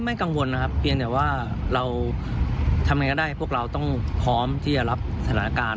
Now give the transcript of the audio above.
กังวลนะครับเพียงแต่ว่าเราทำยังไงก็ได้พวกเราต้องพร้อมที่จะรับสถานการณ์